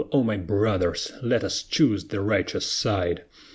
O my brothers! let us choose the righteous side.